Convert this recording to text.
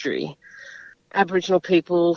orang aborigin telah menerima